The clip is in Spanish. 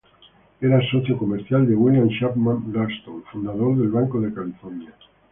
Era socio comercial de William Chapman Ralston, fundador del Banco de California.